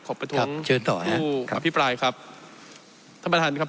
ขอประท้องครับเจอต่อครับผู้อภิปรายครับท่านประธานครับ